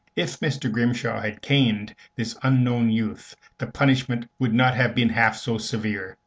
If Mr. Grimshaw had caned this unknown youth, the punishment would not have been half so severe.